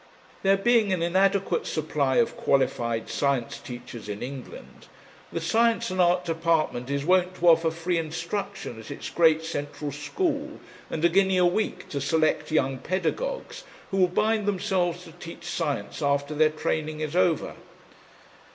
There being an inadequate supply of qualified science teachers in England, the Science and Art Department is wont to offer free instruction at its great central school and a guinea a week to select young pedagogues who will bind themselves to teach science after their training is over.